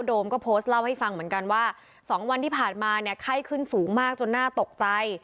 โมก็โพสต์เล่าให้ฟังเหมือนกันว่า๒วันที่ผ่านมาเนี่ยไข้ขึ้นสูงมากจนน่าตกใจ